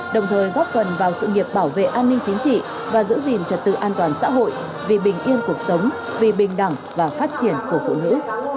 đồng thời góp phần vào sự nghiệp bảo vệ an ninh chính trị và giữ gìn trật tự an toàn xã hội vì bình yên cuộc sống vì bình đẳng và phát triển của phụ nữ